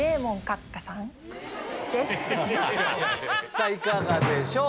さぁいかがでしょう？